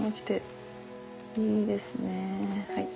いいですね。